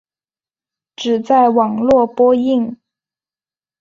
只在网络播映。